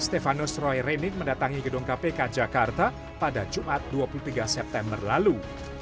stefanus roy renik mendatangi gedung kpk jakarta pada jumat dua puluh tiga september lalu